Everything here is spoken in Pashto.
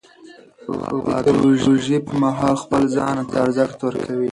غابي د روژې پر مهال خپل ځان ته ارزښت ورکوي.